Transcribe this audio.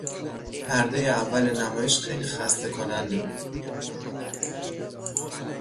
پردهی اول نمایش خیلی خسته کننده بود.